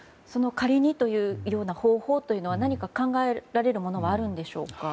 仮にという方法というのは何か考えられるものはあるんでしょうか。